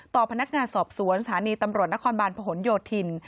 ต่อพนักงานสอบสวนสถานีตำรวจนครบาลพหนโยธิน